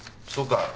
そうか。